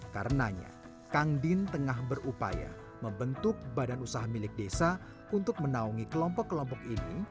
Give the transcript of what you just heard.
karenanya kang din tengah berupaya membentuk badan usaha milik desa untuk menaungi kelompok kelompok ini